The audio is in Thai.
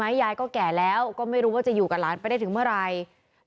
ยายก็แก่แล้วก็ไม่รู้ว่าจะอยู่กับหลานไปได้ถึงเมื่อไหร่